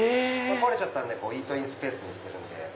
壊れちゃったんでイートインスペースにしてるんで。